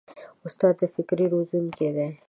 استاد د فکرونو روزونکی دی.